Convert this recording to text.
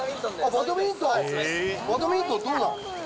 バドミントン、どうなの？